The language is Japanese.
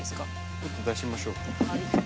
ちょっと出しましょう。